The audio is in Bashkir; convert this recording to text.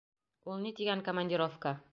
Ул ни тигән командировка?